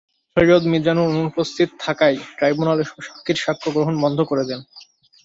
সৈয়দ মিজানুর অনুপস্থিত থাকায় ট্রাইব্যুনাল এসব সাক্ষীর সাক্ষ্য গ্রহণ বন্ধ করে দেন।